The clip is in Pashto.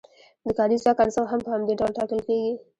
د کاري ځواک ارزښت هم په همدې ډول ټاکل کیږي.